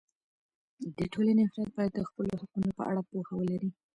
د ټولنې افراد باید د خپلو حقونو په اړه پوهه ولري.